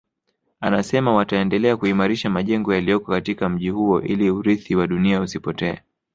Anasema wataendelea kuimarisha majengo yaliyoko katika mji huo ili urithi wa dunia usipotee